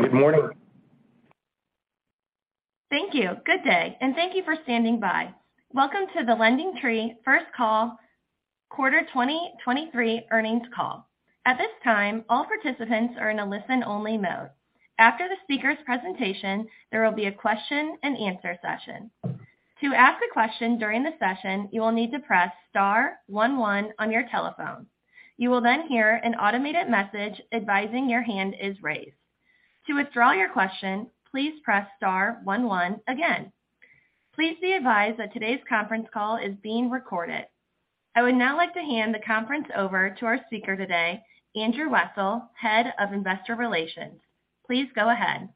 Good morning. Thank you. Good day, and thank you for standing by. Welcome to the LendingTree first quarter 2023 earnings call. At this time, all participants are in a listen-only mode. After the speaker's presentation, there will be a question-and-answer session. To ask a question during the session, you will need to press star one one on your telephone. You will then hear an automated message advising your hand is raised. To withdraw your question, please press star one one again. Please be advised that today's conference call is being recorded. I would now like to hand the conference over to our speaker today, Andrew Wessel, Head of Investor Relations. Please go ahead.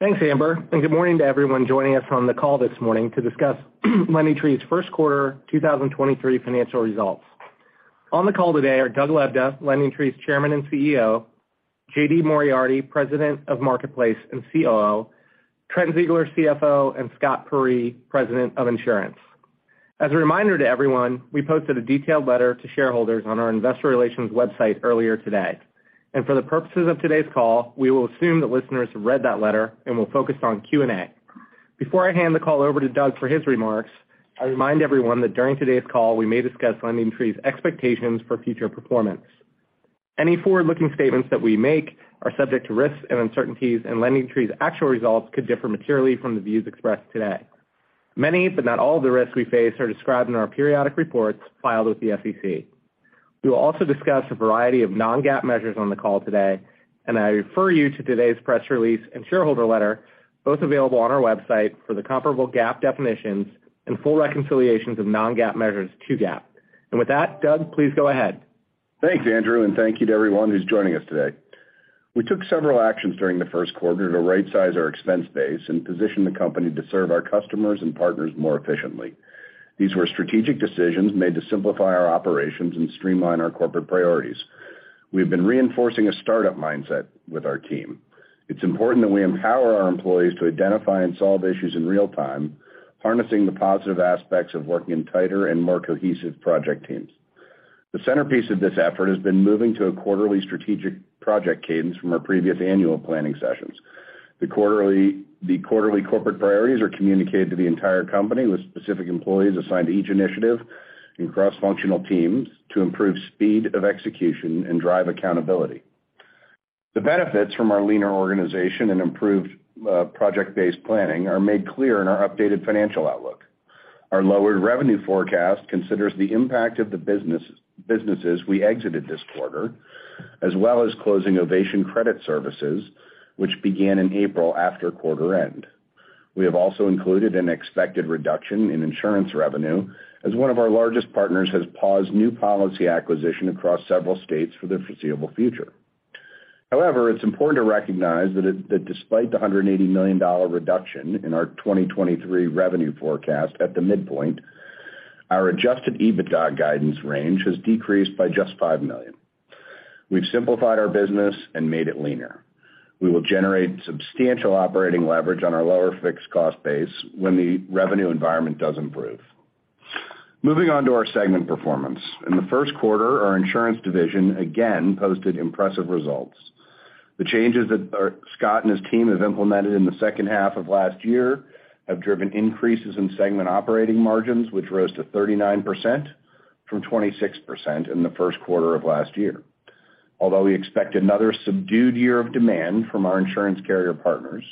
Thanks, Amber. Good morning to everyone joining us on the call this morning to discuss LendingTree's first quarter 2023 financial results. On the call today are Doug Lebda, LendingTree's Chairman and CEO; J.D. Moriarty, President of Marketplace and COO; Trent Ziegler, CFO; and Scott Peyree, President of Insurance. As a reminder to everyone, we posted a detailed letter to shareholders on our investor relations website earlier today. For the purposes of today's call, we will assume that listeners have read that letter and will focus on Q&A. Before I hand the call over to Doug for his remarks, I remind everyone that during today's call, we may discuss LendingTree's expectations for future performance. Any forward-looking statements that we make are subject to risks and uncertainties, and LendingTree's actual results could differ materially from the views expressed today. Many, but not all of the risks we face are described in our periodic reports filed with the SEC. We will also discuss a variety of non-GAAP measures on the call today, and I refer you to today's press release and shareholder letter, both available on our website for the comparable GAAP definitions and full reconciliations of non-GAAP measures to GAAP. With that, Doug, please go ahead. Thanks, Andrew. Thank you to everyone who's joining us today. We took several actions during the first quarter to right-size our expense base and position the company to serve our customers and partners more efficiently. These were strategic decisions made to simplify our operations and streamline our corporate priorities. We have been reinforcing a startup mindset with our team. It's important that we empower our employees to identify and solve issues in real time, harnessing the positive aspects of working in tighter and more cohesive project teams. The centerpiece of this effort has been moving to a quarterly strategic project cadence from our previous annual planning sessions. The quarterly corporate priorities are communicated to the entire company, with specific employees assigned to each initiative and cross-functional teams to improve speed of execution and drive accountability. The benefits from our leaner organization and improved project-based planning are made clear in our updated financial outlook. Our lowered revenue forecast considers the impact of the businesses we exited this quarter, as well as closing Ovation Credit Services, which began in April after quarter end. We have also included an expected reduction in insurance revenue as one of our largest partners has paused new policy acquisition across several states for the foreseeable future. It's important to recognize that despite the $180 million reduction in our 2023 revenue forecast at the midpoint, our adjusted EBITDA guidance range has decreased by just $5 million. We've simplified our business and made it leaner. We will generate substantial operating leverage on our lower fixed cost base when the revenue environment does improve. Moving on to our segment performance. In the first quarter, our insurance division again posted impressive results. The changes that our Scott and his team have implemented in the second half of last year have driven increases in segment operating margins, which rose to 39% from 26% in the first quarter of last year. We expect another subdued year of demand from our insurance carrier partners,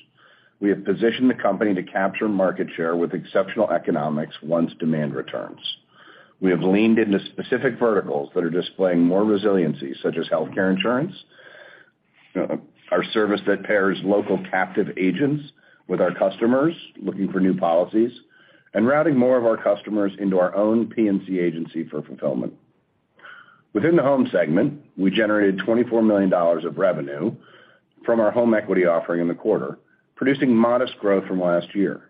we have positioned the company to capture market share with exceptional economics once demand returns. We have leaned into specific verticals that are displaying more resiliency, such as healthcare insurance, our service that pairs local captive agents with our customers looking for new policies and routing more of our customers into our own PNC agency for fulfillment. Within the home segment, we generated $24 million of revenue from our home equity offering in the quarter, producing modest growth from last year.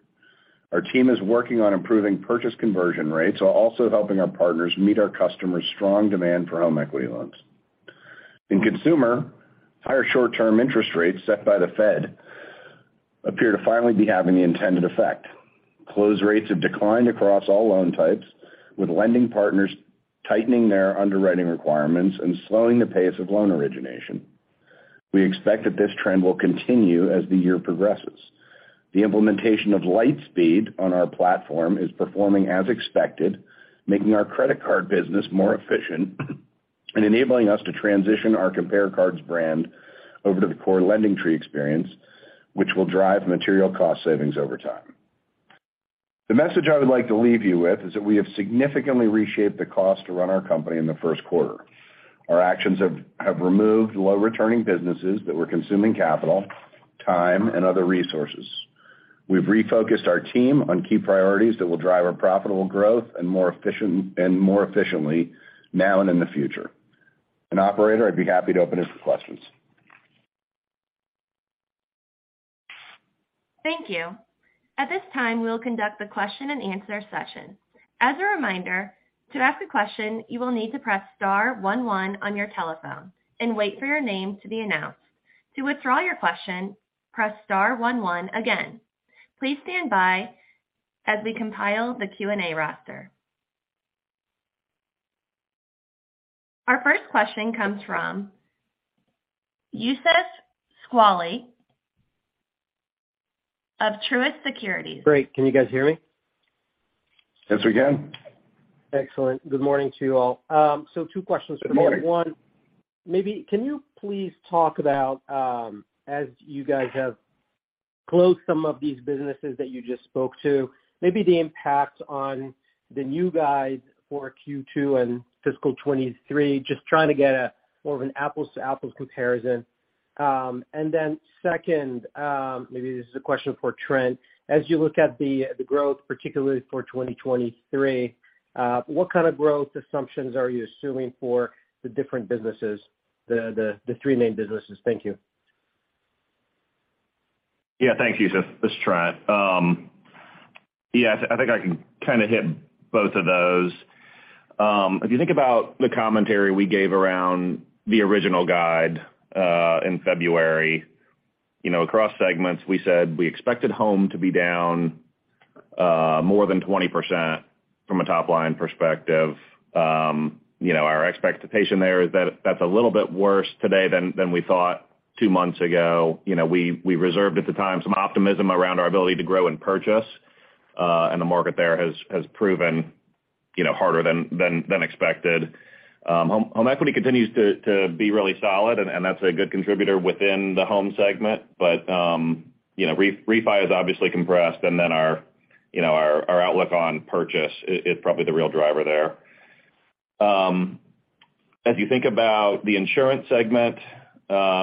Our team is working on improving purchase conversion rates while also helping our partners meet our customers' strong demand for home equity loans. In consumer, higher short-term interest rates set by the Fed appear to finally be having the intended effect. Close rates have declined across all loan types, with lending partners tightening their underwriting requirements and slowing the pace of loan origination. We expect that this trend will continue as the year progresses. The implementation of Lightspeed on our platform is performing as expected, making our credit card business more efficient and enabling us to transition our CompareCards brand over to the core LendingTree experience, which will drive material cost savings over time. The message I would like to leave you with is that we have significantly reshaped the cost to run our company in the first quarter. Our actions have removed low returning businesses that were consuming capital, time, and other resources. We've refocused our team on key priorities that will drive our profitable growth and more efficiently now and in the future. Operator, I'd be happy to open it to questions. Thank you. At this time, we'll conduct the question-and-answer session. As a reminder, to ask a question you will need to press star one one on your telephone and wait for your name to be announced. To withdraw your question, press star one one again. Please stand by as we compile the Q&A roster. Our first question comes from Youssef Squali of Truist Securities. Great. Can you guys hear me? Yes, we can. Excellent. Good morning to you all. Two questions for both. One, maybe can you please talk about, as you guys have closed some of these businesses that you just spoke to, maybe the impact on the new guys for Q2 and fiscal 2023, just trying to get a more of an apples-to-apples comparison. Then second, maybe this is a question for Trent. As you look at the growth, particularly for 2023, what kind of growth assumptions are you assuming for the different businesses, the, the three main businesses? Thank you. Thanks, Youssef. This is Trent. Yes, I think I can kind of hit both of those. If you think about the commentary we gave around the original guide, in February, you know, across segments, we said we expected home to be down, more than 20% from a top-line perspective. Our expectation there is that that's a little bit worse today than we thought two months ago. You know, we reserved at the time some optimism around our ability to grow and purchase, and the market there has proven, you know, harder than expected. Home equity continues to be really solid and that's a good contributor within the home segment. You know, refi is obviously compressed, and then our, you know, our outlook on purchase is probably the real driver there. As you think about the insurance segment,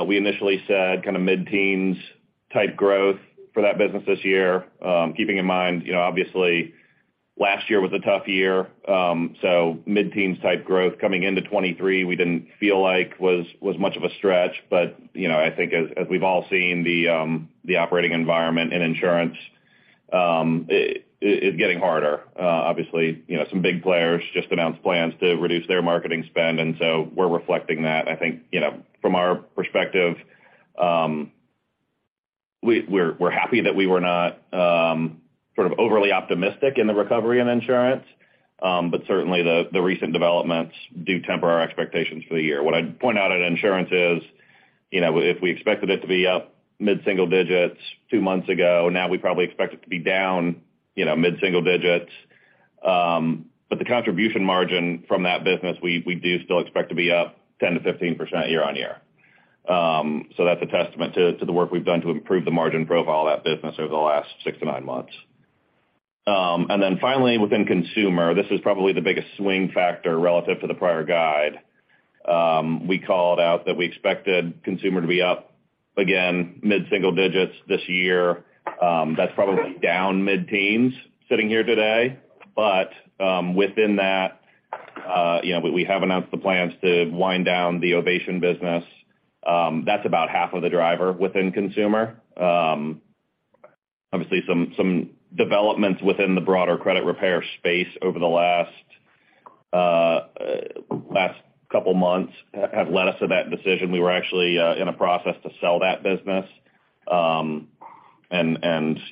we initially said kind of mid-teens type growth for that business this year. Keeping in mind, you know, obviously, last year was a tough year, so mid-teens type growth coming into 2023, we didn't feel like was much of a stretch. You know, I think as we've all seen the operating environment in insurance is getting harder. Obviously, you know, some big players just announced plans to reduce their marketing spend, and so we're reflecting that. I think, you know, from our perspective, we're happy that we were not sort of overly optimistic in the recovery in insurance. Certainly the recent developments do temper our expectations for the year. What I'd point out at insurance is, you know, if we expected it to be up mid-single digits two months ago, now we probably expect it to be down, you know, mid-single digits. The contribution margin from that business, we do still expect to be up 10%-15% year-on-year. That's a testament to the work we've done to improve the margin profile of that business over the last six-nine months. Finally, within consumer, this is probably the biggest swing factor relative to the prior guide. We called out that we expected consumer to be up again mid-single digits this year. That's probably down mid-teens sitting here today. Within that, you know, we have announced the plans to wind down the Ovation business. That's about half of the driver within consumer. Obviously, some developments within the broader credit repair space over the last couple months have led us to that decision. We were actually in a process to sell that business.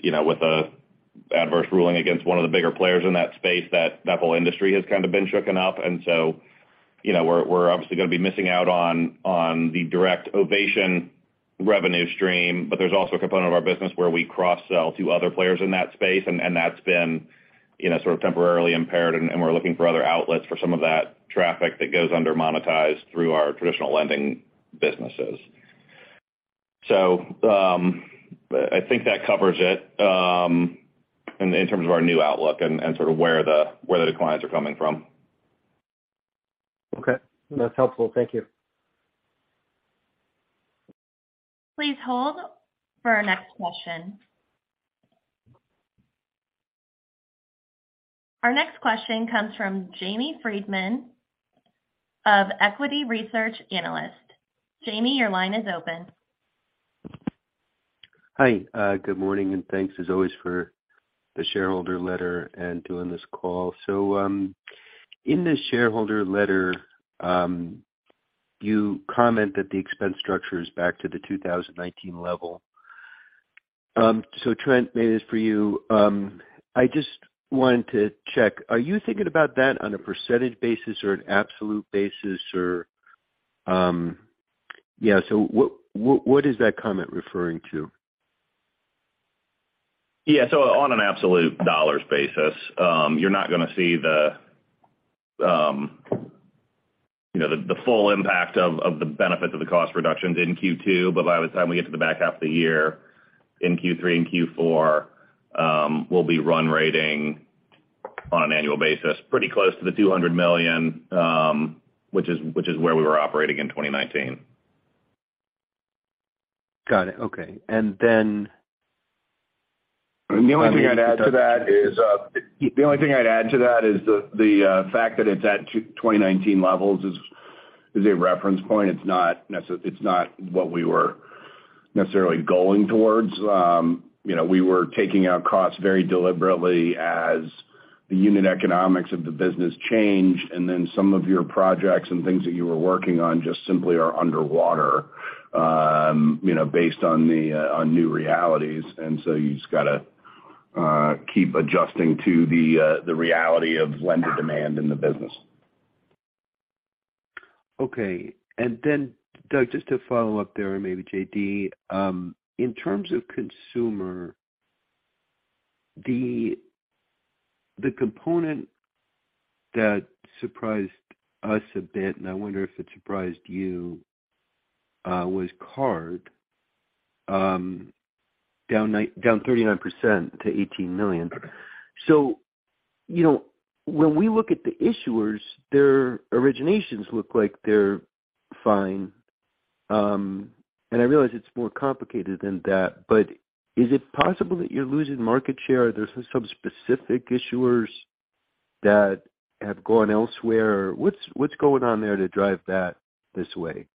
You know, with an adverse ruling against one of the bigger players in that space, that whole industry has kind of been shaken up. You know, we're obviously going to be missing out on the direct Ovation revenue stream. There's also a component of our business where we cross-sell to other players in that space, and that's been, you know, sort of temporarily impaired, and we're looking for other outlets for some of that traffic that goes under monetized through our traditional lending businesses. I think that covers it in terms of our new outlook and sort of where the declines are coming from. Okay. That's helpful. Thank you. Please hold for our next question. Our next question comes from Jamie Friedman of equity research analyst. Jamie, your line is open. Hi. Good morning, and thanks as always for the shareholder letter and doing this call. In the shareholder letter, you comment that the expense structure is back to the 2019 level. Trent, maybe this is for you. I just wanted to check, are you thinking about that on a percentage basis or an absolute basis or what is that comment referring to? Yeah. On an absolute dollars basis, you're not gonna see the, you know, the full impact of the benefits of the cost reductions in Q2. By the time we get to the back half of the year in Q3 and Q4, we'll be run rating on an annual basis pretty close to the $200 million, which is where we were operating in 2019. Got it. Okay. The only thing I'd add to that is the fact that it's at 2019 levels is a reference point. It's not what we were necessarily going towards. You know, we were taking out costs very deliberately as the unit economics of the business change, and then some of your projects and things that you were working on just simply are underwater, you know, based on new realities. You just gotta Keep adjusting to the reality of lender demand in the business. Doug, just to follow up there, and maybe J.D., in terms of consumer, the component that surprised us a bit, and I wonder if it surprised you, was card, down 39% to $18 million. You know, when we look at the issuers, their originations look like they're fine. I realize it's more complicated than that, but is it possible that you're losing market share? Are there some specific issuers that have gone elsewhere? What's going on there to drive that this way?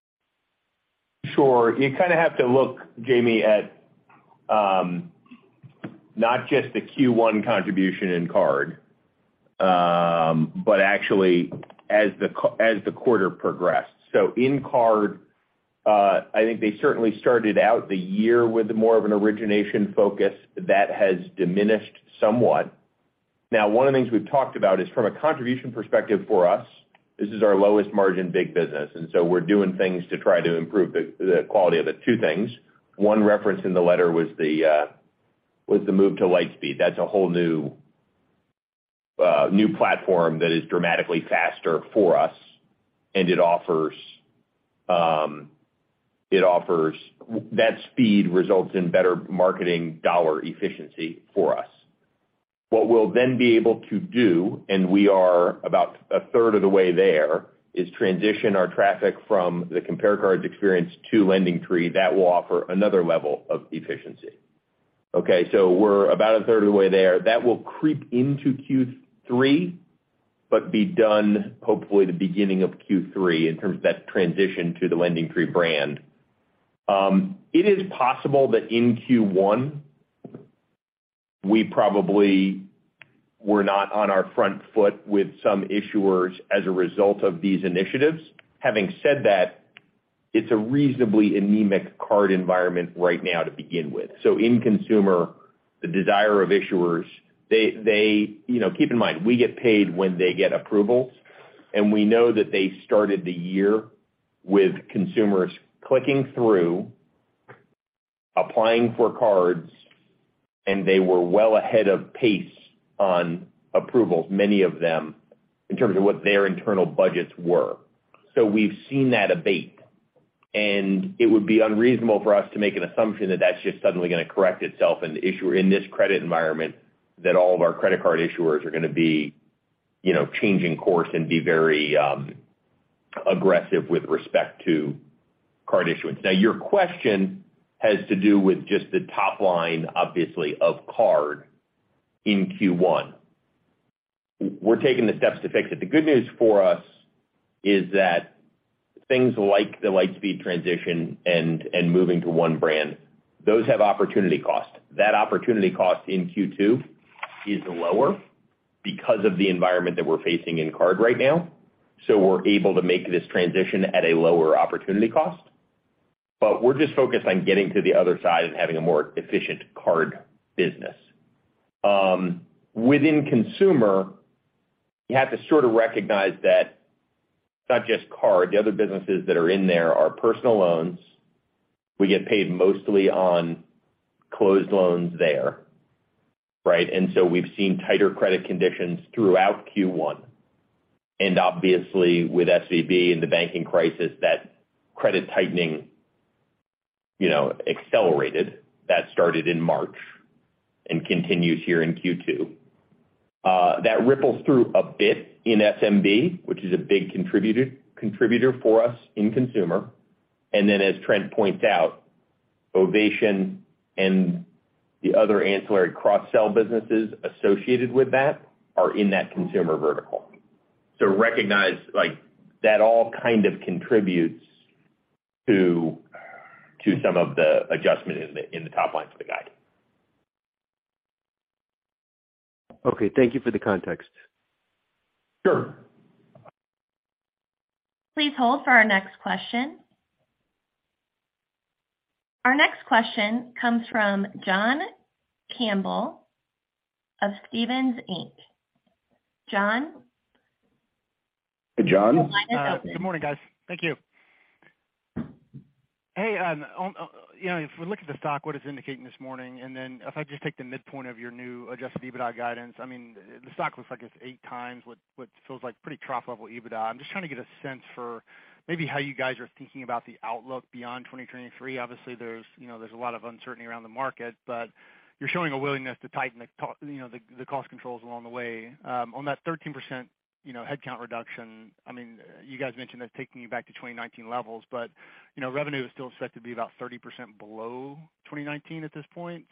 Sure. You kinda have to look, Jamie, at not just the Q1 contribution in card, but actually as the quarter progressed. In card, I think they certainly started out the year with more of an origination focus that has diminished somewhat. One of the things we've talked about is from a contribution perspective for us, this is our lowest margin big business, and so we're doing things to try to improve the quality of it. Two things, one referenced in the letter was the move to Lightspeed. That's a whole new platform that is dramatically faster for us, and it offers. That speed results in better marketing dollar efficiency for us. What we'll be able to do, and we are about a third of the way there, is transition our traffic from the CompareCards experience to LendingTree. That will offer another level of efficiency. Okay, we're about a third of the way there. That will creep into Q3, be done hopefully the beginning of Q3 in terms of that transition to the LendingTree brand. It is possible that in Q1, we probably were not on our front foot with some issuers as a result of these initiatives. Having said that, it's a reasonably anemic card environment right now to begin with. In consumer, the desire of issuers, they... You know, keep in mind, we get paid when they get approvals, and we know that they started the year with consumers clicking through, applying for cards, and they were well ahead of pace on approvals, many of them, in terms of what their internal budgets were. We've seen that abate. It would be unreasonable for us to make an assumption that that's just suddenly gonna correct itself and the issuer in this credit environment, that all of our credit card issuers are gonna be, you know, changing course and be very aggressive with respect to card issuance. Now, your question has to do with just the top line, obviously, of card in Q1. We're taking the steps to fix it. The good news for us is that things like the Lightspeed transition and moving to one brand, those have opportunity cost. That opportunity cost in Q2 is lower because of the environment that we're facing in card right now. We're able to make this transition at a lower opportunity cost. We're just focused on getting to the other side and having a more efficient card business. Within consumer, you have to sort of recognize that it's not just card. The other businesses that are in there are personal loans. We get paid mostly on closed loans there, right? We've seen tighter credit conditions throughout Q1. Obviously with SVB and the banking crisis, that credit tightening, you know, accelerated. That started in March and continues here in Q2. That ripples through a bit in SMB, which is a big contributor for us in consumer. As Trent points out, Ovation and the other ancillary cross-sell businesses associated with that are in that consumer vertical. Recognize, like, that all kind of contributes to some of the adjustment in the top line for the guide. Okay. Thank you for the context. Sure. Please hold for our next question. Our next question comes from John Campbell of Stephens Inc. John? Hey, John. Your line is open. Good morning, guys. Thank you. Hey, on, you know, if we look at the stock, what it's indicating this morning, if I just take the midpoint of your new adjusted EBITDA guidance, I mean, the stock looks like it's 8x what feels like pretty trough-level EBITDA. I'm just trying to get a sense for maybe how you guys are thinking about the outlook beyond 2023? Obviously, there's, you know, there's a lot of uncertainty around the market, you're showing a willingness to tighten the cost, you know, the cost controls along the way. On that 13%, you know, headcount reduction, I mean, you guys mentioned that's taking you back to 2019 levels, you know, revenue is still set to be about 30% below 2019 at this point.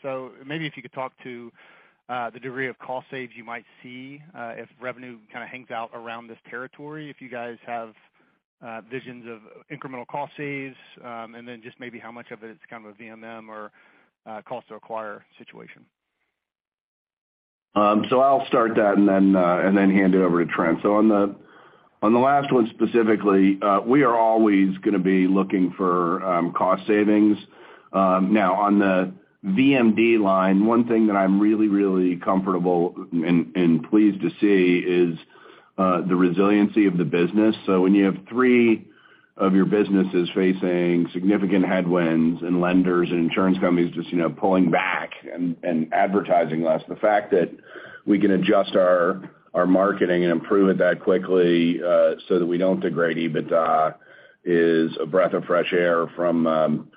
Maybe if you could talk to the degree of cost saves you might see if revenue kinda hangs out around this territory, if you guys have visions of incremental cost saves, and then just maybe how much of it is kind of a VMM or cost to acquire situation? I'll start that and then, and then hand it over to Trent. On the, on the last one specifically, we are always gonna be looking for cost savings. Now, on the VMD line, one thing that I'm really, really comfortable and pleased to see is the resiliency of the business. When you have three of your businesses facing significant headwinds and lenders and insurance companies just, you know, pulling back and advertising less, the fact that we can adjust our marketing and improve it that quickly, so that we don't degrade EBITDA is a breath of fresh air from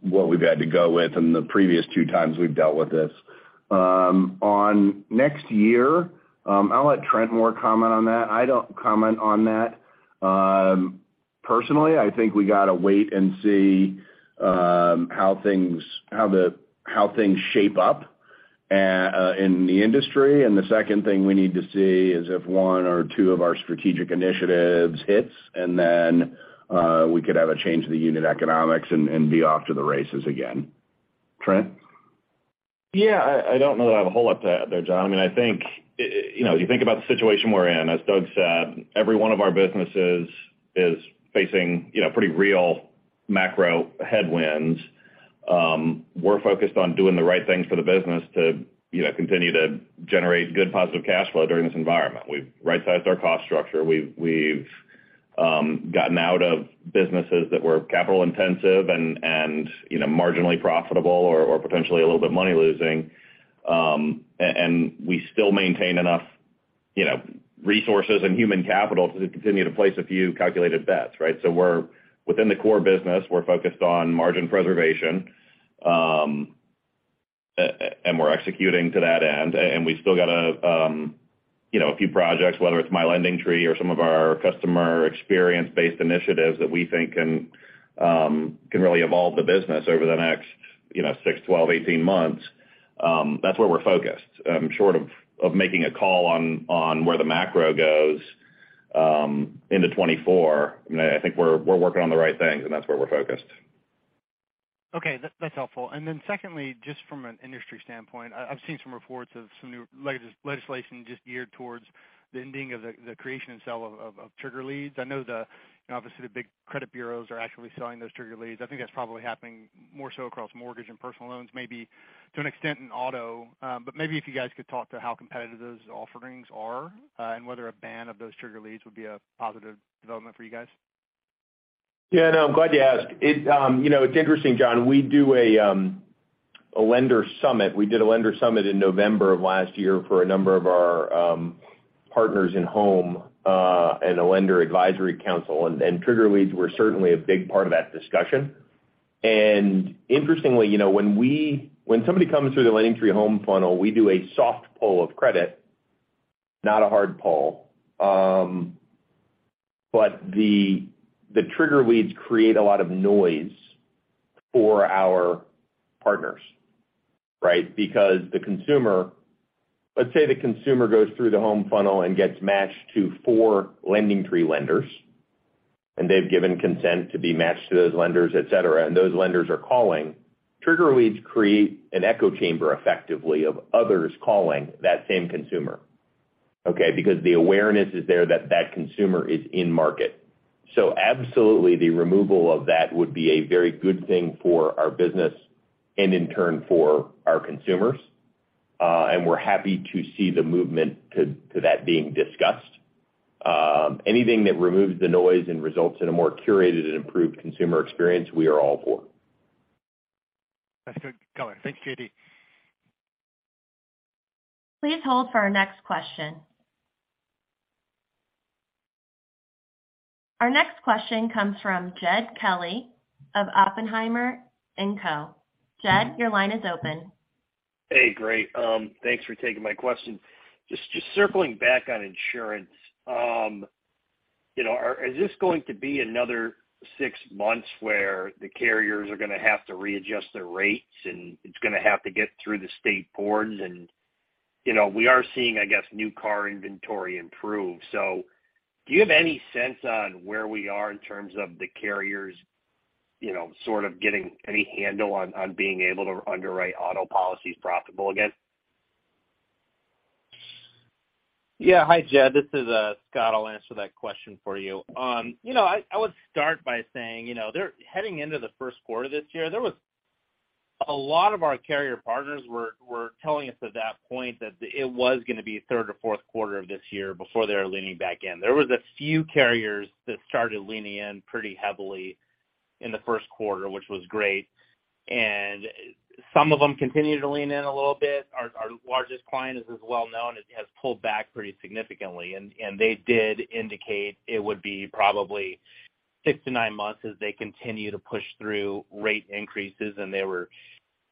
what we've had to go with in the previous two times we've dealt with this. On next year, I'll let Trent more comment on that. I don't comment on that. Personally, I think we gotta wait and see, how things shape up in the industry. The second thing we need to see is if one or two of our strategic initiatives hits, then we could have a change in the unit economics and be off to the races again. Trent? I don't know that I have a whole lot to add there, John. I mean, I think, you know, you think about the situation we're in. As Doug said, every one of our businesses is facing, you know, pretty real macro headwinds. We're focused on doing the right thing for the business to, you know, continue to generate good positive cash flow during this environment. We've right-sized our cost structure. We've gotten out of businesses that were capital intensive and, you know, marginally profitable or potentially a little bit money-losing. We still maintain enough, you know, resources and human capital to continue to place a few calculated bets, right? We're within the core business. We're focused on margin preservation, and we're executing to that end. We still got a, you know, a few projects, whether it's My LendingTree or some of our customer experience-based initiatives that we think can really evolve the business over the next, you know, six, 12, 18 months. That's where we're focused. Short of making a call on where the macro goes, into 2024, I mean, I think we're working on the right things, and that's where we're focused. Okay, that's helpful. Secondly, just from an industry standpoint, I've seen some reports of some new legislation just geared towards the ending of the creation and sale of trigger leads. I know, you know, obviously the big credit bureaus are actually selling those trigger leads. I think that's probably happening more so across mortgage and personal loans, maybe to an extent in auto. Maybe if you guys could talk to how competitive those offerings are, and whether a ban of those trigger leads would be a positive development for you guys. Yeah, no, I'm glad you asked. It, you know, it's interesting, John. We do a lender summit. We did a lender summit in November of last year for a number of our partners in Home and a lender advisory council, and trigger leads were certainly a big part of that discussion. Interestingly, you know, when somebody comes through the LendingTree Home funnel, we do a soft pull of credit, not a hard pull. The, the trigger leads create a lot of noise for our partners, right? Because the consumer... Let's say the consumer goes through the Home funnel and gets matched to four LendingTree lenders, and they've given consent to be matched to those lenders, et cetera, and those lenders are calling. Trigger leads create an echo chamber effectively of others calling that same consumer, okay? The awareness is there that that consumer is in market. Absolutely, the removal of that would be a very good thing for our business and in turn for our consumers. We're happy to see the movement to that being discussed. Anything that removes the noise and results in a more curated and improved consumer experience, we are all for. That's good color. Thanks, J.D. Please hold for our next question. Our next question comes from Jed Kelly of Oppenheimer & Co. Jed, your line is open. Hey, great. Thanks for taking my question. Just circling back on insurance. You know, are, is this going to be another six months where the carriers are gonna have to readjust their rates, and it's gonna have to get through the state boards? You know, we are seeing, I guess, new car inventory improve. Do you have any sense on where we are in terms of the carriers, you know, sort of getting any handle on being able to underwrite auto policies profitable again? Yeah. Hi, Jed. This is Scott. I'll answer that question for you. You know, I would start by saying, you know, heading into the first quarter this year, there was a lot of our carrier partners were telling us at that point that it was gonna be third or fourth quarter of this year before they were leaning back in. There was a few carriers that started leaning in pretty heavily in the first quarter, which was great. Some of them continued to lean in a little bit. Our largest client is as well known, has pulled back pretty significantly. They did indicate it would be probably six to nine months as they continue to push through rate increases. They were,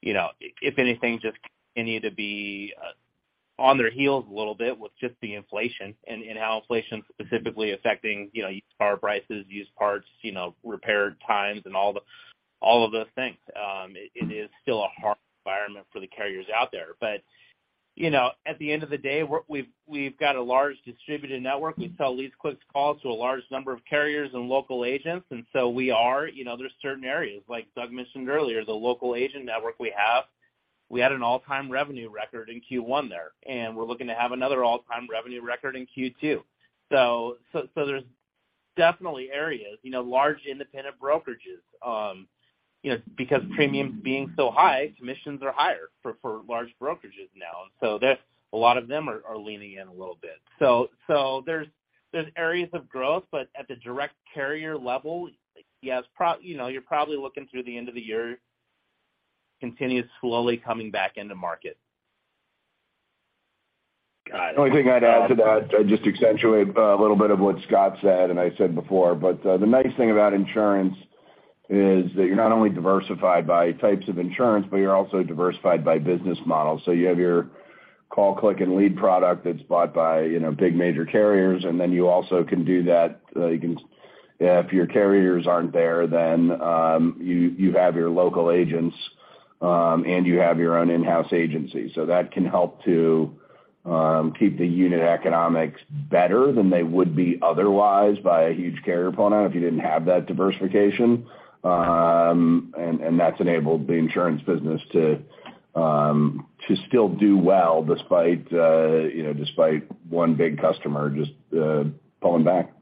you know, if anything, just continued to be on their heels a little bit with just the inflation and how inflation's specifically affecting, you know, used car prices, used parts, you know, repair times and all the, all of those things. It is still a hard environment for the carriers out there. You know, at the end of the day, we've got a large distributed network. We sell leads, clicks, calls to a large number of carriers and local agents. We are, you know, there's certain areas, like Doug mentioned earlier, the local agent network we have. We had an all-time revenue record in Q1 there, and we're looking to have another all-time revenue record in Q2. There's definitely areas, you know, large independent brokerages, you know, because premiums being so high, commissions are higher for large brokerages now. A lot of them are leaning in a little bit. There's areas of growth, but at the direct carrier level, yes, you know, you're probably looking through the end of the year continuous slowly coming back into market. The only thing I'd add to that, I'd just accentuate a little bit of what Scott said and I said before, but the nice thing about insurance is that you're not only diversified by types of insurance, but you're also diversified by business models. You have your call, click, and lead product that's bought by, you know, big major carriers, and then you also can do that, if your carriers aren't there, then you have your local agents, and you have your own in-house agency. That can help to keep the unit economics better than they would be otherwise by a huge carrier opponent if you didn't have that diversification. And that's enabled the insurance business to still do well despite, you know, despite one big customer just pulling back.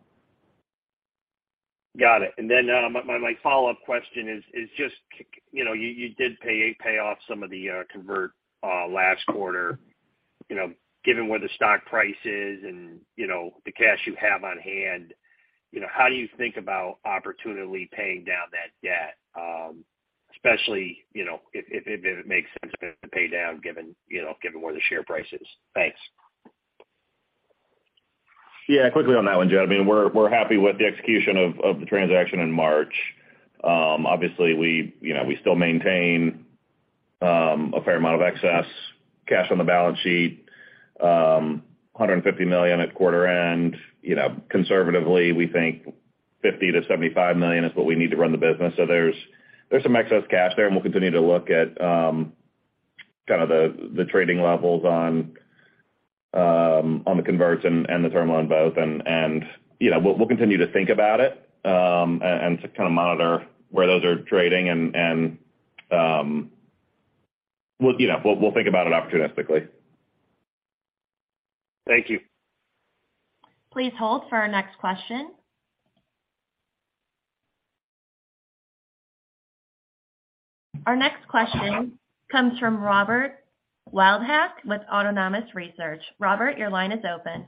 Got it. My follow-up question is just, you know, you did pay off some of the convert last quarter. You know, given where the stock price is and, you know, the cash you have on hand, you know, how do you think about opportunely paying down that debt, especially, you know, if it makes sense to pay down given, you know, given where the share price is? Thanks. Yeah, quickly on that one, Jed. I mean, we're happy with the execution of the transaction in March. Obviously, we, you know, we still maintain a fair amount of excess cash on the balance sheet, $150 million at quarter end. You know, conservatively, we think $50 million-$75 million is what we need to run the business. There's some excess cash there, and we'll continue to look at kind of the trading levels on the converts and the term on both. You know, we'll continue to think about it and to kind of monitor where those are trading and we'll, you know, we'll think about it opportunistically. Thank you. Please hold for our next question. Our next question comes from Robert Wildhack with Autonomous Research. Robert, your line is open.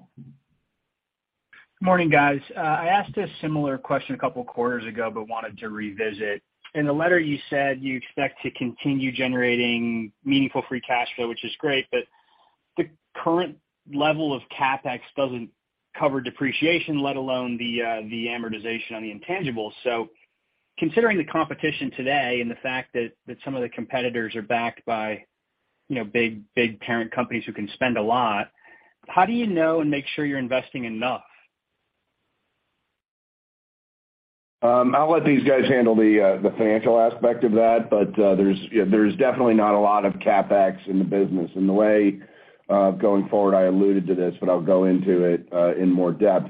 Morning, guys. I asked a similar question a couple of quarters ago, wanted to revisit. In the letter, you said you expect to continue generating meaningful free cash flow, which is great, the current level of CapEx doesn't cover depreciation, let alone the amortization on the intangibles. Considering the competition today and the fact that some of the competitors are backed by, you know, big, big parent companies who can spend a lot, how do you know and make sure you're investing enough? I'll let these guys handle the financial aspect of that, there's definitely not a lot of CapEx in the business. The way of going forward, I alluded to this, I'll go into it in more depth.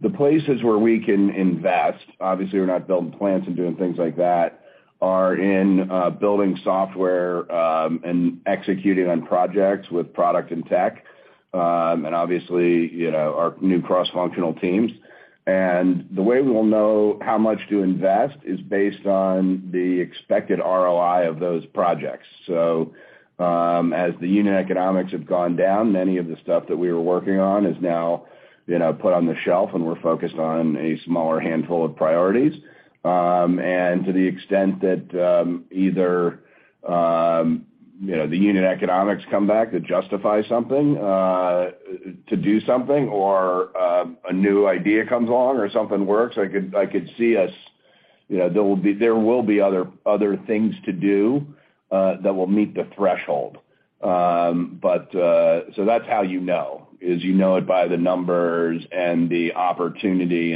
The places where we can invest, obviously, we're not building plants and doing things like that, are in building software, executing on projects with product and tech, and obviously, you know, our new cross-functional teams. The way we'll know how much to invest is based on the expected ROI of those projects. As the unit economics have gone down, many of the stuff that we were working on is now, you know, put on the shelf, we're focused on a smaller handful of priorities. To the extent that, either, you know, the unit economics come back to justify something, to do something or, a new idea comes along or something works, I could see us, you know, there will be other things to do that will meet the threshold. That's how you know, is you know it by the numbers and the opportunity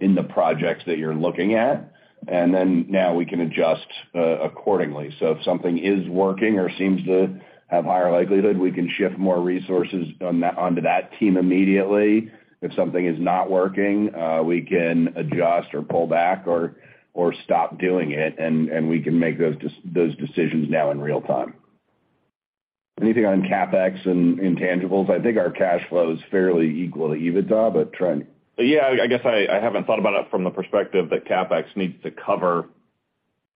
in the projects that you're looking at. Now we can adjust accordingly. If something is working or seems to have higher likelihood, we can shift more resources onto that team immediately. If something is not working, we can adjust or pull back or stop doing it, and we can make those decisions now in real time. Anything on CapEx and intangibles? I think our Cash Flow is fairly equal to EBITDA, but Trent. Yeah, I guess I haven't thought about it from the perspective that CapEx needs to cover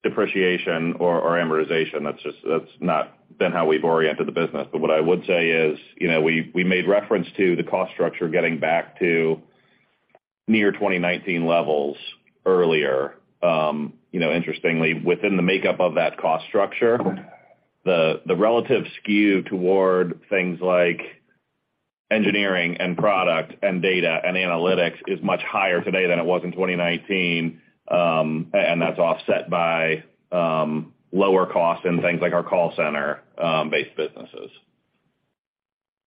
depreciation or amortization. That's not been how we've oriented the business. What I would say is, you know, we made reference to the cost structure getting back to near 2019 levels earlier. You know, interestingly, within the makeup of that cost structure, the relative skew toward things like engineering and product and data and analytics is much higher today than it was in 2019, and that's offset by lower costs in things like our call center based businesses.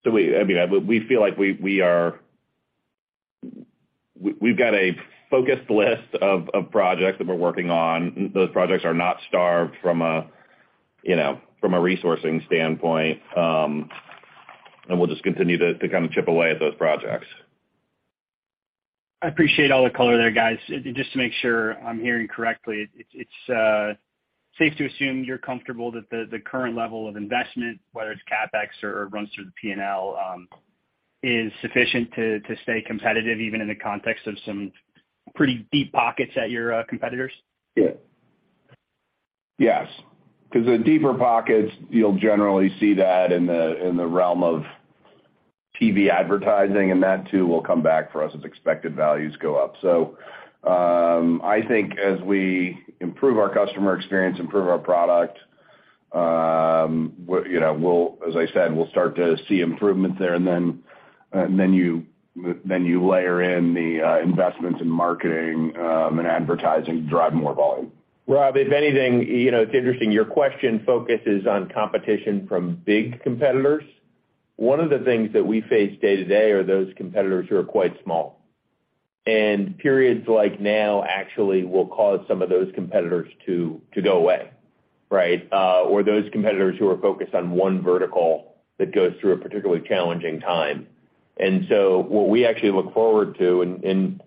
I mean, we feel like we've got a focused list of projects that we're working on. Those projects are not starved from a, you know, from a resourcing standpoint. We'll just continue to kind of chip away at those projects. I appreciate all the color there, guys. Just to make sure I'm hearing correctly, it's safe to assume you're comfortable that the current level of investment, whether it's CapEx or runs through the P&L, is sufficient to stay competitive even in the context of some pretty deep pockets at your competitors? Yeah. Yes. 'Cause the deeper pockets, you'll generally see that in the realm of TV advertising, and that too will come back for us as expected values go up. I think as we improve our customer experience, improve our product, you know, we'll, as I said, we'll start to see improvements there and then you layer in the investments in marketing and advertising to drive more volume. Rob, if anything, you know, it's interesting, your question focuses on competition from big competitors. One of the things that we face day-to-day are those competitors who are quite small. Periods like now actually will cause some of those competitors to go away, right? Those competitors who are focused on one vertical that goes through a particularly challenging time. What we actually look forward to and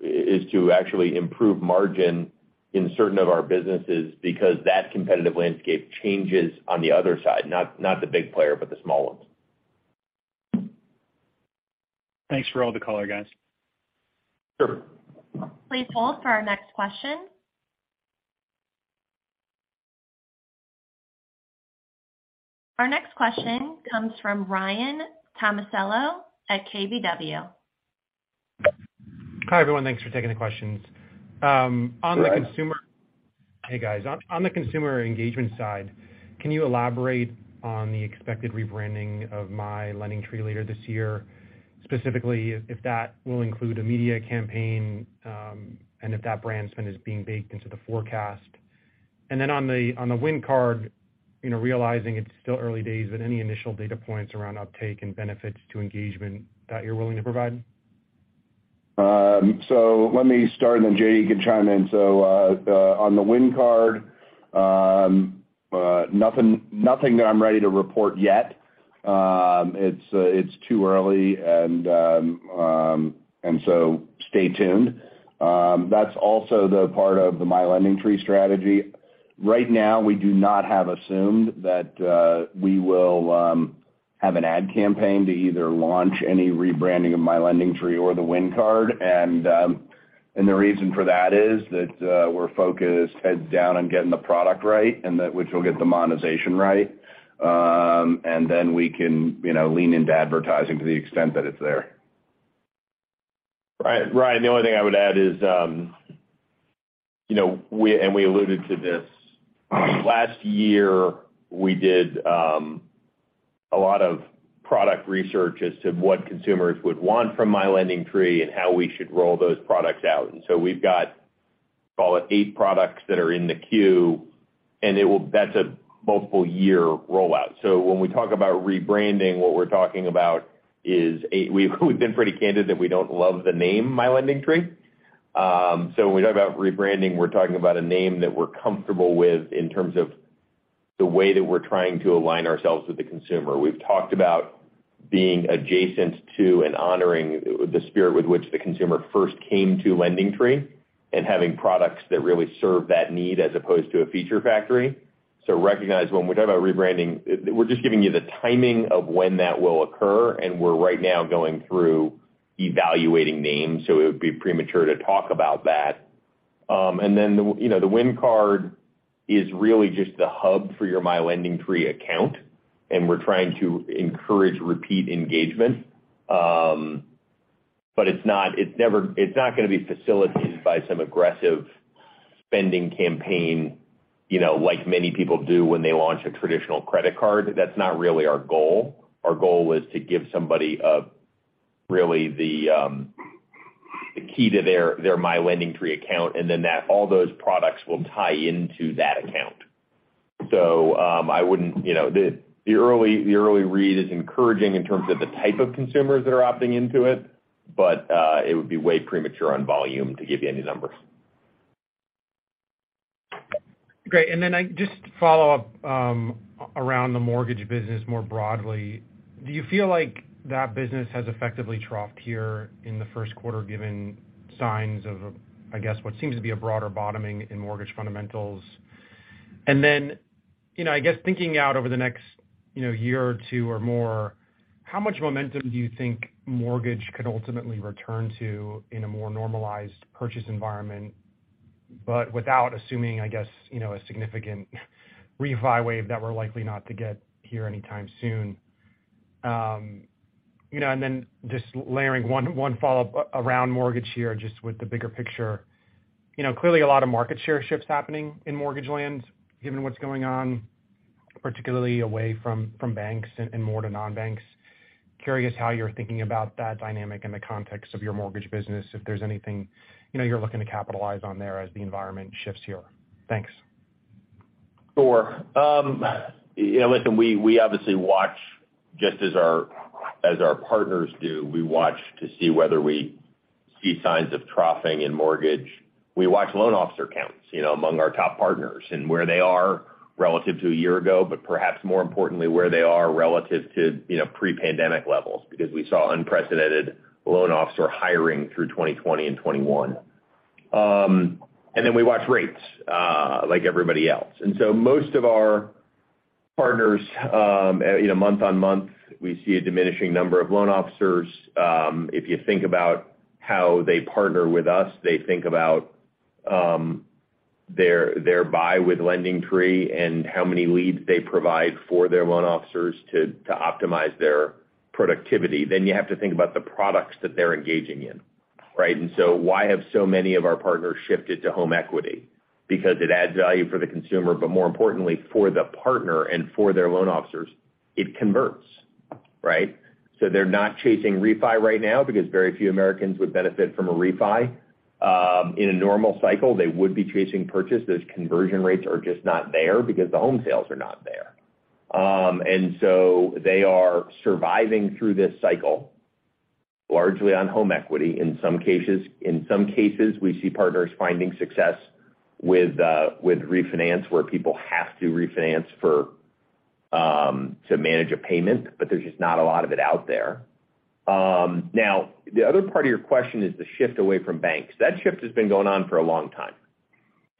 is to actually improve margin in certain of our businesses because that competitive landscape changes on the other side, not the big player, but the small ones. Thanks for all the color, guys. Sure. Please hold for our next question. Our next question comes from Ryan Tomasello at Keefe, Bruyette & Woods. Hi, everyone. Thanks for taking the questions. Go ahead. Hey, guys. On the consumer engagement side, can you elaborate on the expected rebranding of My LendingTree later this year? Specifically if that will include a media campaign, and if that brand spend is being baked into the forecast. Then on the Win Card, you know, realizing it's still early days, but any initial data points around uptake and benefits to engagement that you're willing to provide? Let me start, and then J.D. can chime in. On the Win Card, nothing that I'm ready to report yet. It's too early and so stay tuned. That's also the part of the My LendingTree strategy. Right now we do not have assumed that we will have an ad campaign to either launch any rebranding of My LendingTree or the Win Card. The reason for that is that we're focused heads down on getting the product right which will get the monetization right. Then we can, you know, lean into advertising to the extent that it's there. Ryan, the only thing I would add is, you know, we alluded to this. Last year, we did a lot of product research as to what consumers would want from My LendingTree and how we should roll those products out. We've got, call it eight products that are in the queue, that's a multiple year rollout. When we talk about rebranding, what we're talking about is eight. We've been pretty candid that we don't love the name My LendingTree. When we talk about rebranding, we're talking about a name that we're comfortable with in terms of the way that we're trying to align ourselves with the consumer. We've talked about being adjacent to and honoring the spirit with which the consumer first came to LendingTree and having products that really serve that need as opposed to a feature factory. Recognize when we talk about rebranding, we're just giving you the timing of when that will occur, and we're right now going through evaluating names. It would be premature to talk about that. You know, the Win Card is really just the hub for your My LendingTree account, and we're trying to encourage repeat engagement. It's not gonna be facilitated by some aggressive spending campaign, you know, like many people do when they launch a traditional credit card. That's not really our goal. Our goal is to give somebody really the key to their My LendingTree account, and then that all those products will tie into that account. I wouldn't, you know. The early read is encouraging in terms of the type of consumers that are opting into it, but it would be way premature on volume to give you any numbers. Great. I just follow up around the mortgage business more broadly. Do you feel like that business has effectively troughed here in the first quarter, given signs of, I guess, what seems to be a broader bottoming in mortgage fundamentals? You know, I guess thinking out over the next, you know, year or two or more, how much momentum do you think mortgage could ultimately return to in a more normalized purchase environment, but without assuming, I guess, you know, a significant refi wave that we're likely not to get here anytime soon? You know, just layering one follow-up around mortgage here, just with the bigger picture. Clearly a lot of market share shifts happening in mortgage land given what's going on, particularly away from banks and more to non-banks. Curious how you're thinking about that dynamic in the context of your mortgage business, if there's anything, you know, you're looking to capitalize on there as the environment shifts here. Thanks. Sure. you know, listen, we obviously watch just as our, as our partners do, we watch to see whether we see signs of troughing in mortgage. We watch loan officer counts, you know, among our top partners, and where they are relative to a year ago, but perhaps more importantly, where they are relative to, you know, pre-pandemic levels, because we saw unprecedented loan officer hiring through 2020 and 2021. Then we watch rates like everybody else. Most of our partners, you know, month on month, we see a diminishing number of loan officers. If you think about how they partner with us, they think about, their buy with LendingTree and how many leads they provide for their loan officers to optimize their productivity. You have to think about the products that they're engaging in, right? Why have so many of our partners shifted to home equity? Because it adds value for the consumer, but more importantly for the partner and for their loan officers, it converts, right? They're not chasing refi right now because very few Americans would benefit from a refi. In a normal cycle, they would be chasing purchase. Those conversion rates are just not there because the home sales are not there. They are surviving through this cycle, largely on home equity. In some cases, we see partners finding success with refinance, where people have to refinance for to manage a payment, but there's just not a lot of it out there. The other part of your question is the shift away from banks. That shift has been going on for a long time.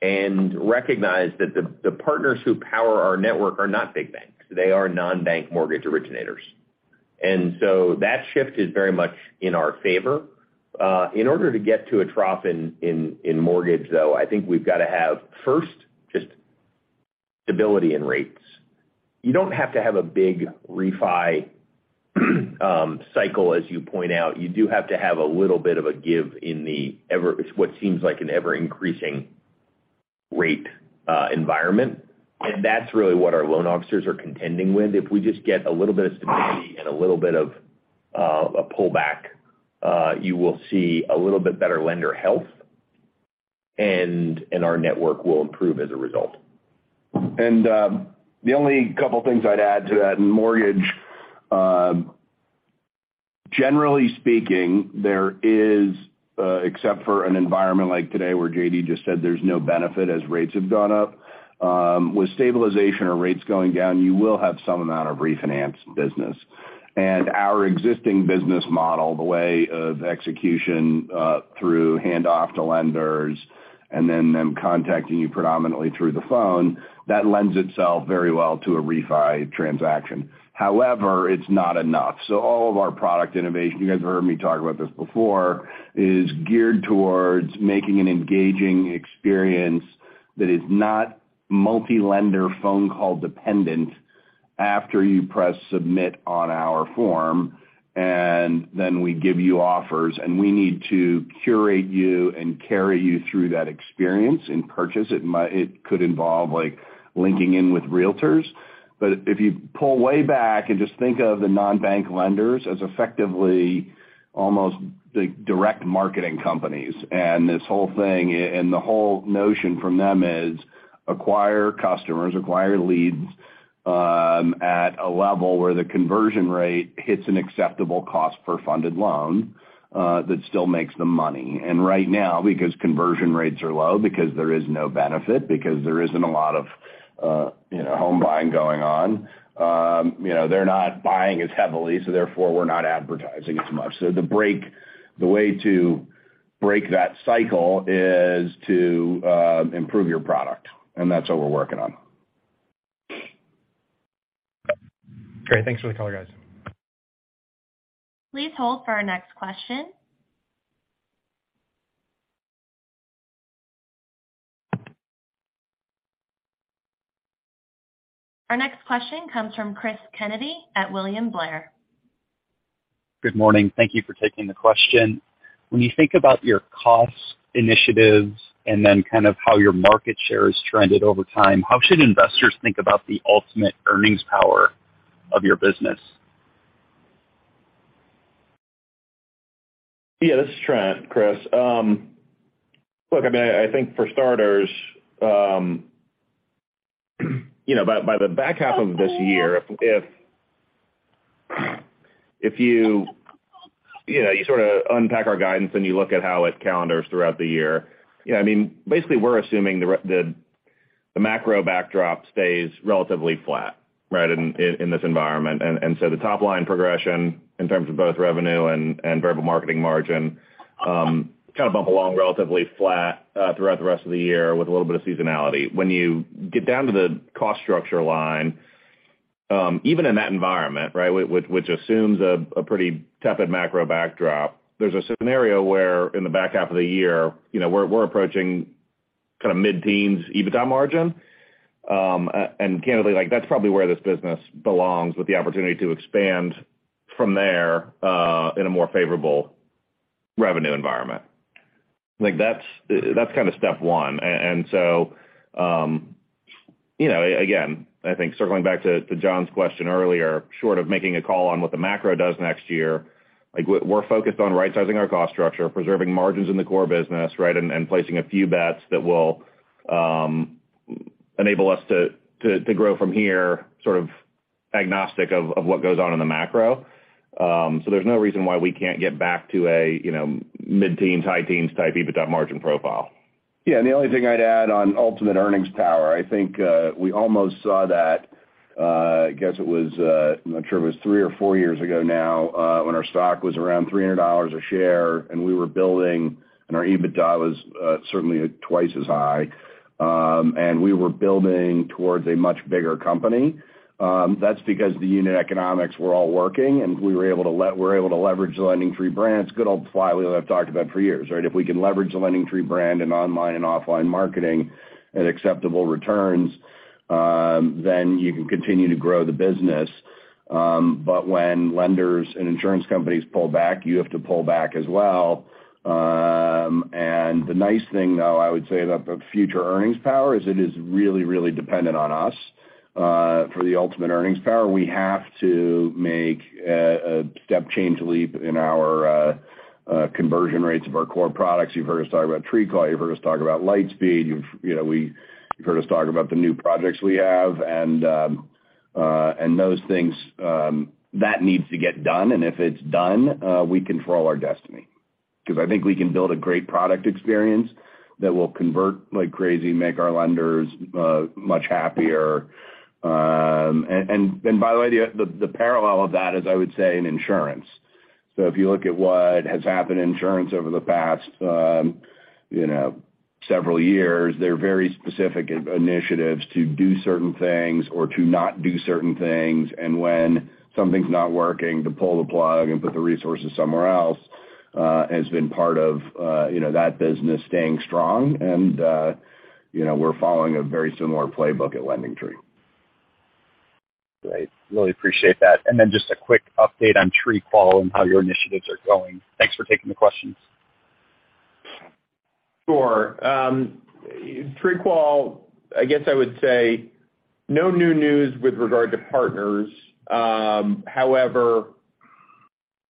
Recognize that the partners who power our network are not big banks. They are non-bank mortgage originators. That shift is very much in our favor. In order to get to a trough in mortgage, though, I think we've got to have first, just stability in rates. You don't have to have a big refi cycle, as you point out. You do have to have a little bit of a give in the what seems like an ever-increasing rate environment. That's really what our loan officers are contending with. If we just get a little bit of stability and a little bit of a pullback, you will see a little bit better lender health, and our network will improve as a result. The only couple of things I'd add to that in mortgage, generally speaking, there is, except for an environment like today where J.D. just said there's no benefit as rates have gone up, with stabilization or rates going down, you will have some amount of refinance business. Our existing business model, the way of execution, through hand off to lenders and then them contacting you predominantly through the phone, that lends itself very well to a refi transaction. However, it's not enough. All of our product innovation, you guys have heard me talk about this before, is geared towards making an engaging experience that is not multi-lender phone call dependent after you press Submit on our form, and then we give you offers, and we need to curate you and carry you through that experience. In purchase, it could involve, like, linking in with Realtors. If you pull way back and just think of the non-bank lenders as effectively almost like direct marketing companies, this whole thing, and the whole notion from them is acquire customers, acquire leads, at a level where the conversion rate hits an acceptable cost per funded loan, that still makes them money. Right now, because conversion rates are low, because there is no benefit, because there isn't a lot of, you know, home buying going on, you know, they're not buying as heavily, so therefore, we're not advertising as much. The way to break that cycle is to improve your product, and that's what we're working on. Great. Thanks for the color, guys. Please hold for our next question. Our next question comes from Cristopher Kennedy at William Blair. Good morning. Thank you for taking the question. When you think about your cost initiatives and then kind of how your market share has trended over time, how should investors think about the ultimate earnings power of your business? Yeah, this is Trent, Chris. Look, I mean, I think for starters, you know, by the back half of this year, if you know, you sort of unpack our guidance and you look at how it calendars throughout the year, you know, I mean, basically, we're assuming the macro backdrop stays relatively flat, right, in this environment. So the top line progression in terms of both revenue and variable marketing margin, kind of bump along relatively flat throughout the rest of the year with a little bit of seasonality. When you get down to the cost structure line, even in that environment, right, which assumes a pretty tepid macro backdrop, there's a scenario where in the back half of the year, you know, we're approaching kind of mid-teens EBITDA margin. Candidly, like, that's probably where this business belongs with the opportunity to expand from there, in a more favorable revenue environment. I think that's kind of step one. So, you know, again, I think circling back to John Campbell's question earlier, short of making a call on what the macro does next year, like, we're focused on right-sizing our cost structure, preserving margins in the core business, right, and placing a few bets that will enable us to grow from here sort of agnostic of what goes on in the macro. So there's no reason why we can't get back to a, you know, mid-teens, high teens type EBITDA margin profile. Yeah. The only thing I'd add on ultimate earnings power, I think, we almost saw that, I guess it was, I'm not sure if it was three or four years ago now, when our stock was around $300 a share, and we were building, and our EBITDA was certainly twice as high. We were building towards a much bigger company. That's because the unit economics were all working, and we were able to leverage the LendingTree brand. It's good old flywheel that I've talked about for years, right? If we can leverage the LendingTree brand in online and offline marketing at acceptable returns, then you can continue to grow the business. When lenders and insurance companies pull back, you have to pull back as well. The nice thing, though, I would say about the future earnings power is it is really, really dependent on us for the ultimate earnings power. We have to make a step change leap in our conversion rates of our core products. You've heard us talk about TreeQual, you've heard us talk about Lightspeed, you've, you know, you've heard us talk about the new projects we have, and those things, that needs to get done. If it's done, we control our destiny. 'Cause I think we can build a great product experience that will convert like crazy, make our lenders much happier. By the way, the parallel of that is, I would say, in insurance. If you look at what has happened in insurance over the past, you know, several years, there are very specific initiatives to do certain things or to not do certain things. When something's not working, to pull the plug and put the resources somewhere else, has been part of, you know, that business staying strong. You know, we're following a very similar playbook at LendingTree. Great. Really appreciate that. Just a quick update on TreeQual and how your initiatives are going. Thanks for taking the questions. Sure. TreeQual, I guess I would say no new news with regard to partners. However,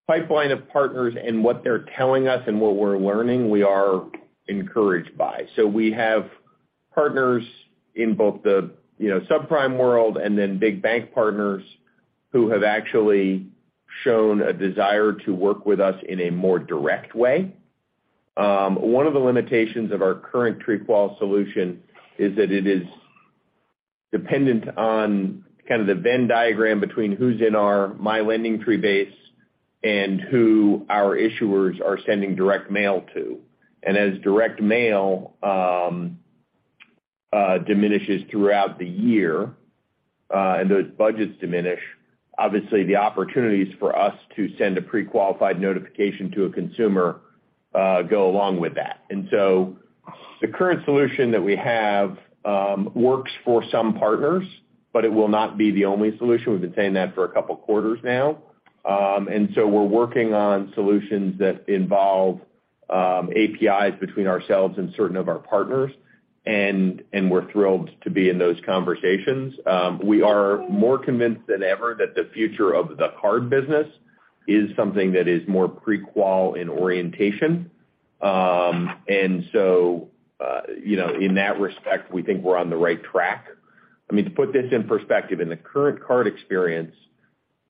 pipeline of partners and what they're telling us and what we're learning, we are encouraged by. We have partners in both the, you know, subprime world and then big bank partners who have actually shown a desire to work with us in a more direct way. One of the limitations of our current TreeQual solution is that it is dependent on kind of the Venn diagram between who's in our My LendingTree base and who our issuers are sending direct mail to. As direct mail diminishes throughout the year, and those budgets diminish, obviously the opportunities for us to send a pre-qualified notification to a consumer go along with that. The current solution that we have, works for some partners, but it will not be the only solution. We've been saying that for a couple quarters now. We're working on solutions that involve APIs between ourselves and certain of our partners, and we're thrilled to be in those conversations. We are more convinced than ever that the future of the card business is something that is more pre-qual in orientation. You know, in that respect, we think we're on the right track. I mean, to put this in perspective, in the current card experience,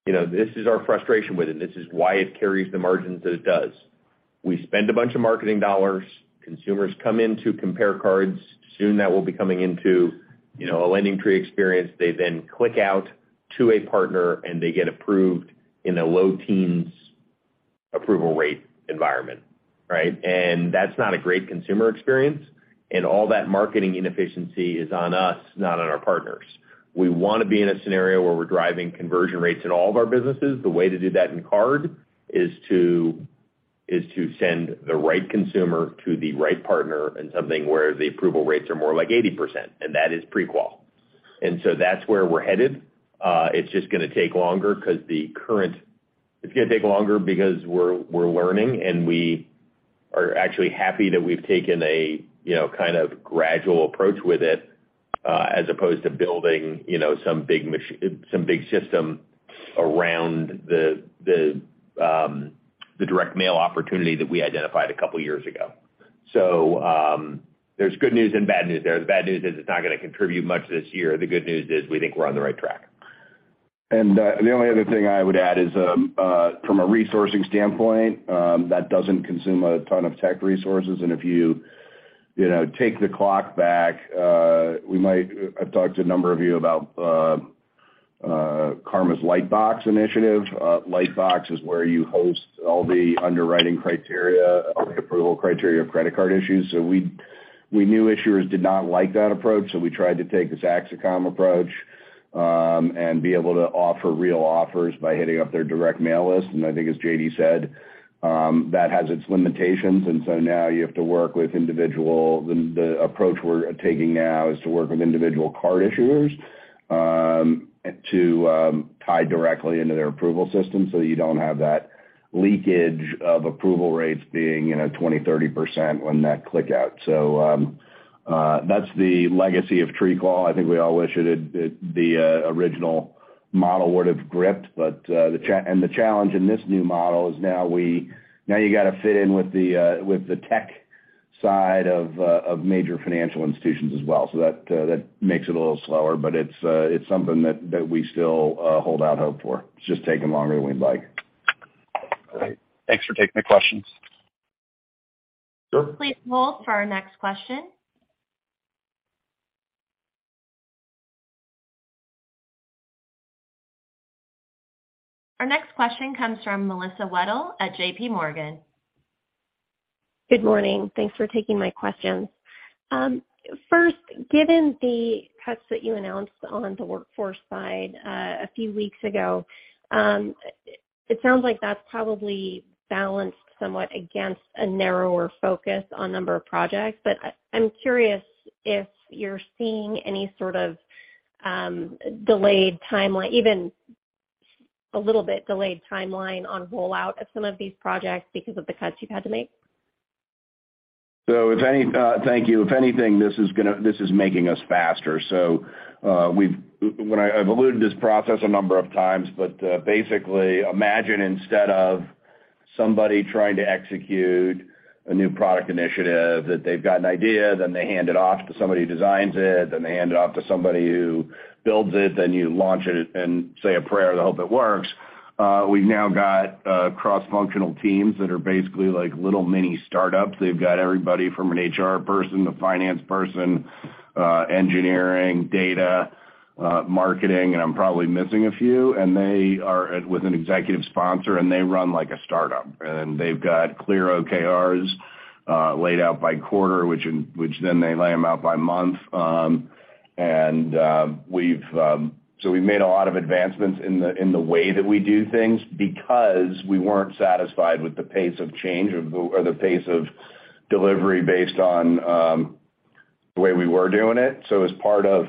you know, this is our frustration with it. This is why it carries the margins that it does. We spend a bunch of marketing dollars. Consumers come in to compare cards. Soon that will be coming into, you know, a LendingTree experience. They then click out to a partner, and they get approved in a low teens approval rate environment, right? That's not a great consumer experience. All that marketing inefficiency is on us, not on our partners. We want to be in a scenario where we're driving conversion rates in all of our businesses. The way to do that in card is to send the right consumer to the right partner in something where the approval rates are more like 80%, and that is pre-qual. That's where we're headed. It's just gonna take longer 'cause the current... It's gonna take longer because we're learning, we are actually happy that we've taken a, you know, kind of gradual approach with it, as opposed to building, you know, some big system around the direct mail opportunity that we identified a couple years ago. There's good news and bad news there. The bad news is it's not gonna contribute much this year. The good news is we think we're on the right track. The only other thing I would add is from a resourcing standpoint, that doesn't consume a ton of tech resources. If you know, take the clock back, I've talked to a number of you about Credit Karma's Lightbox initiative. Lightbox is where you host all the underwriting criteria, approval criteria of credit card issues. We knew issuers did not like that approach, we tried to take a [Saxocom] approach and be able to offer real offers by hitting up their direct mail list. I think as J.D. said, that has its limitations. Now you have to work with individual... The approach we're taking now is to work with individual card issuers, and to tie directly into their approval system so you don't have that leakage of approval rates being, you know, 20%, 30% when that click out. That's the legacy of TreeQual. I think we all wish it, the original model would have gripped. The challenge in this new model is now you gotta fit in with the tech side of major financial institutions as well. That makes it a little slower, but it's something that we still hold out hope for. It's just taking longer than we'd like. Great. Thanks for taking the questions. Sure. Please hold for our next question. Our next question comes from Melissa Wedel at JPMorgan. Good morning. Thanks for taking my questions. First, given the cuts that you announced on the workforce side, a few weeks ago, it sounds like that's probably balanced somewhat against a narrower focus on number of projects. I'm curious if you're seeing any sort of delayed timeline, even a little bit delayed timeline on rollout of some of these projects because of the cuts you've had to make. Thank you. If anything, this is making us faster. We've when I've alluded this process a number of times, but basically imagine instead of somebody trying to execute a new product initiative, that they've got an idea, then they hand it off to somebody who designs it, then they hand it off to somebody who builds it, then you launch it and say a prayer to hope it works. We've now got cross-functional teams that are basically like little mini startups. They've got everybody from an HR person to finance person, engineering, data, marketing, and I'm probably missing a few, and they are with an executive sponsor, and they run like a startup. They've got clear OKRs, laid out by quarter, which then they lay them out by month. We've made a lot of advancements in the way that we do things because we weren't satisfied with the pace of change or the pace of delivery based on the way we were doing it. As part of,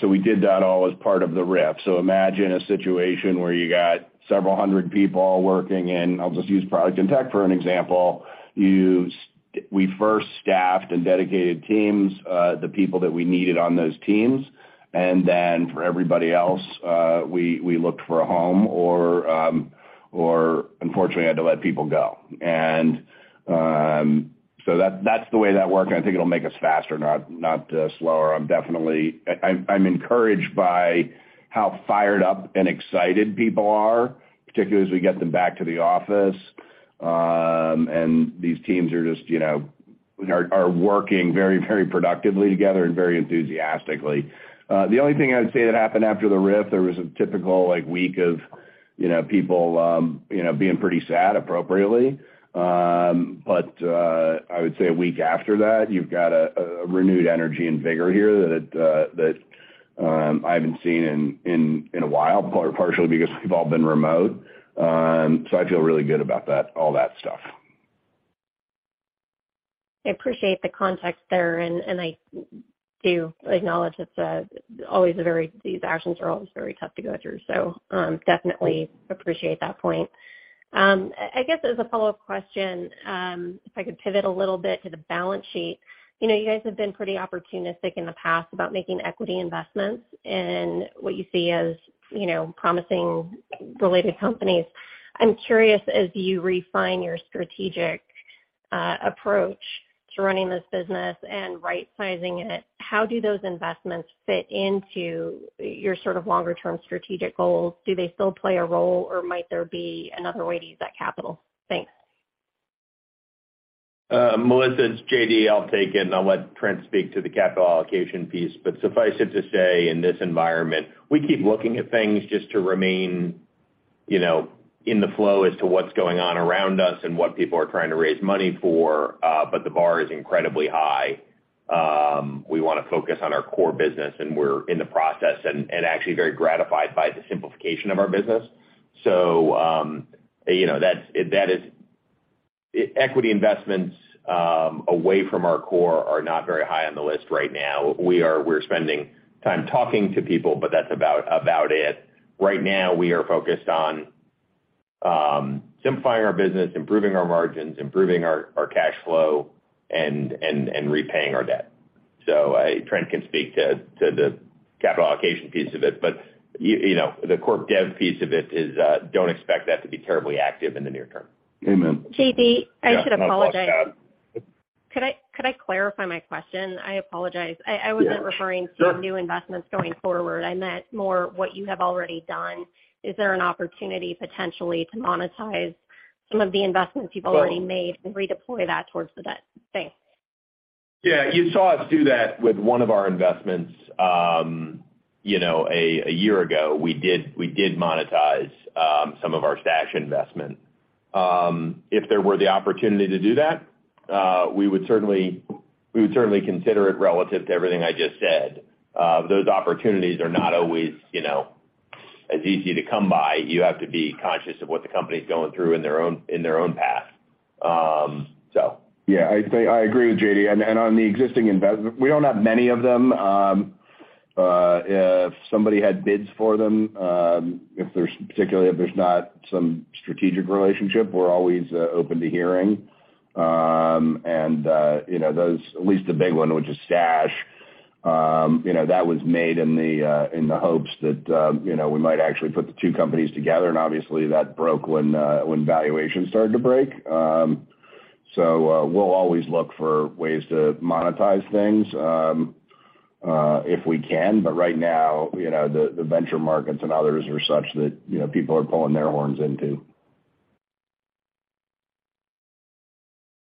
so we did that all as part of the RIF. Imagine a situation where you got several hundred people working in, I'll just use product and tech for an example. We first staffed and dedicated teams, the people that we needed on those teams. Then for everybody else, we looked for a home or unfortunately had to let people go. That's the way that worked, and I think it'll make us faster, not slower. I'm definitely encouraged by how fired up and excited people are, particularly as we get them back to the office. These teams are just, you know, are working very, very productively together and very enthusiastically. The only thing I would say that happened after the RIF, there was a typical, like, week of, you know, people, being pretty sad appropriately. I would say a week after that, you've got a renewed energy and vigor here that, I haven't seen in a while, partially because we've all been remote. I feel really good about that, all that stuff. I appreciate the context there, and I do acknowledge these actions are always very tough to go through. Definitely appreciate that point. I guess as a follow-up question, if I could pivot a little bit to the balance sheet. You know, you guys have been pretty opportunistic in the past about making equity investments in what you see as, you know, promising related companies. I'm curious, as you refine your strategic approach to running this business and right sizing it, how do those investments fit into your sort of longer term strategic goals? Do they still play a role, or might there be another way to use that capital? Thanks. Melissa, it's J.D. I'll take it, and I'll let Trent speak to the capital allocation piece. Suffice it to say, in this environment, we keep looking at things just to remain, you know, in the flow as to what's going on around us and what people are trying to raise money for, but the bar is incredibly high. We wanna focus on our core business, and we're in the process and actually very gratified by the simplification of our business. You know, that's equity investments, away from our core are not very high on the list right now. We're spending time talking to people, but that's about it. Right now, we are focused on simplifying our business, improving our margins, improving our Cash Flow, and repaying our debt. Trent can speak to the capital allocation piece of it. You know, the corp dev piece of it is, don't expect that to be terribly active in the near term. Amen. J.D., I should apologize. Yeah, no problem. Could I clarify my question? I apologize. I wasn't referring to new investments going forward. I meant more what you have already done. Is there an opportunity potentially to monetize some of the investments you've already made and redeploy that towards the debt? Thanks. You saw us do that with one of our investments, you know, a year ago. We did monetize some of our Stash investment. If there were the opportunity to do that, we would certainly consider it relative to everything I just said. Those opportunities are not always, you know, as easy to come by. You have to be conscious of what the company's going through in their own path. I think I agree with J.D. And on the existing, we don't have many of them. If somebody had bids for them, if there's, particularly if there's not some strategic relationship, we're always open to hearing. You know, those, at least the big one, which is Stash, you know, that was made in the hopes that, you know, we might actually put the two companies together, and obviously that broke when valuations started to break. We'll always look for ways to monetize things, if we can, but right now, you know, the venture markets and others are such that, you know, people are pulling their horns in, too.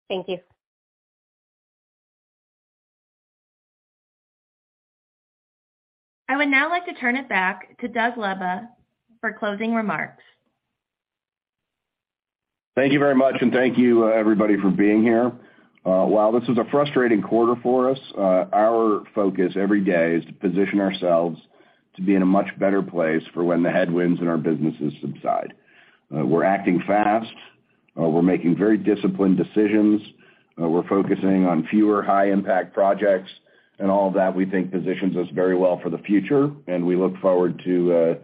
Thank you. I would now like to turn it back to Doug Lebda for closing remarks. Thank you very much, and thank you, everybody for being here. While this was a frustrating quarter for us, our focus every day is to position ourselves to be in a much better place for when the headwinds in our businesses subside. We're acting fast. We're making very disciplined decisions. We're focusing on fewer high-impact projects. All of that, we think, positions us very well for the future, and we look forward to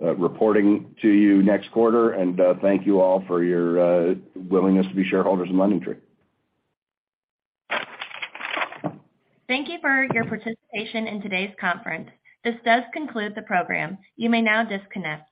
reporting to you next quarter. Thank you all for your willingness to be shareholders in LendingTree. Thank you for your participation in today's conference. This does conclude the program. You may now disconnect.